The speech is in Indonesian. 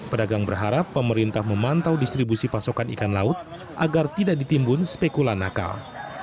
pedagang berharap pemerintah memantau distribusi pasokan ikan laut agar tidak ditimbun spekulan nakal